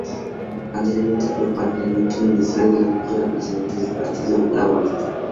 Anteriormente fue parlamentario, ministro de Cultura y presidente del Partido Laborista.